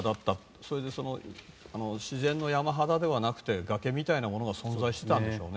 それで、自然の山肌ではなくて崖みたいなものが存在してたんでしょうね。